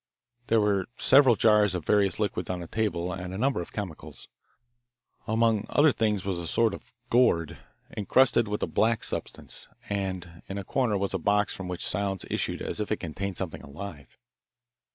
There were several jars of various liquids on the table and a number of chemicals. Among other things was a sort of gourd, encrusted with a black substance, and in a corner was a box from which sounds issued as if it contained something alive.